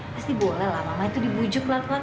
pasti boleh lah mama itu dibujuk lalu lalu